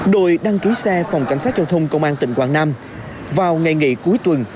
đội đăng ký xe phòng cảnh sát giao thông công an tỉnh quảng nam vào ngày nghỉ cuối tuần